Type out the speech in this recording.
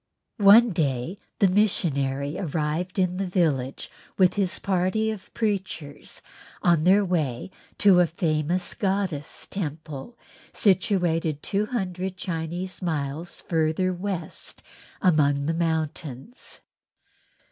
One day the missionary arrived in the village with his party of preachers on their way to a famous goddess' temple situated two hundred Chinese miles further west among the mountains.